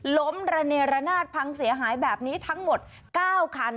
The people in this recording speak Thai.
ล้มระเนรนาศพังเสียหายแบบนี้ทั้งหมด๙คัน